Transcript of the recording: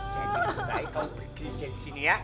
jadi mulai kamu pergi disini ya